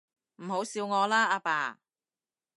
唔好笑我啦，阿爸